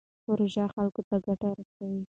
پروژه خلکو ته ګټه رسوي.